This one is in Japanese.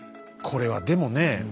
これはでもねえ